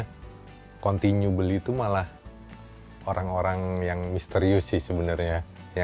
tapi kalau yang continue beli itu malah orang orang yang misterius sih sebenarnya